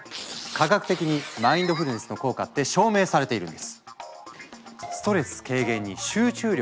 科学的にマインドフルネスの効果って証明されているんです！などなど！